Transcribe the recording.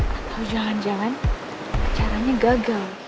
atau jangan jangan caranya gagal